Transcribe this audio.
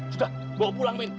sudah bawa pulang min